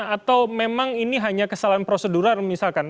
atau memang ini hanya kesalahan prosedural misalkan